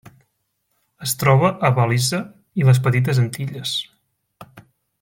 Es troba a Belize i les Petites Antilles.